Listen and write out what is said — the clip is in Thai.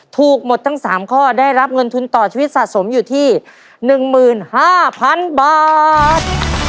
ถูกหมดทั้ง๓ข้อได้รับเงินทุนต่อชีวิตสะสมอยู่ที่๑๕๐๐๐บาท